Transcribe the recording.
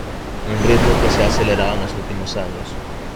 un ritmo que se ha acelerado en los últimos años